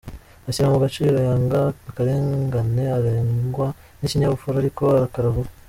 Ashyira mu gaciro, yanga akarengane arangwa n’ikinyabupfura ariko arakara vuba.